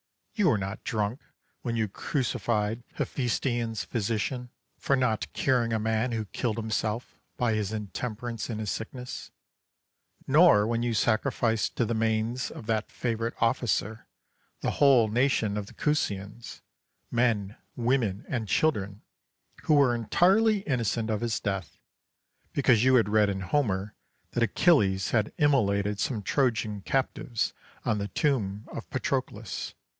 You were not drunk when you crucified Hephaestion's physician for not curing a man who killed himself by his intemperance in his sickness, nor when you sacrificed to the manes of that favourite officer the whole nation of the Cusseans men, women, and children who were entirely innocent of his death because you had read in Homer that Achilles had immolated some Trojan captives on the tomb of Patroclus.